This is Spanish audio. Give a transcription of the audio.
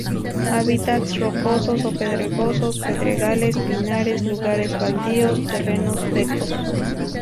Hábitats rocosos o pedregosos, pedregales, pinares, lugares baldíos, terrenos secos.